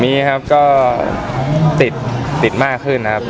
มีครับก็ติดติดมากขึ้นนะครับ